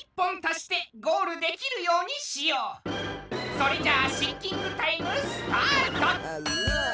それじゃあシンキングタイムスタート！